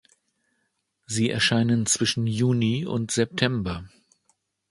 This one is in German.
Sie erscheinen zwischen Juni und September.